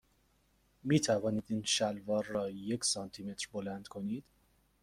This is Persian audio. می توانید این شلوار را یک سانتی متر بلند کنید؟